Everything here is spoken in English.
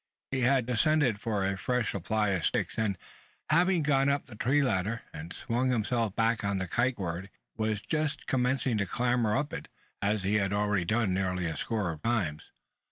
He had descended for a fresh supply of sticks; and, having gone up the tree ladder, and swung himself back upon the kite cord, was just commencing to clamber up it as he had already done nearly a score of times.